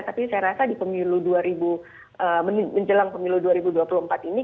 tapi saya rasa di pemilu dua ribu menjelang pemilu dua ribu dua puluh empat ini